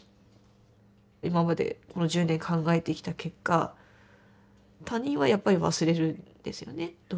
今までこの１０年考えてきた結果他人はやっぱり忘れるんですよねどうしても。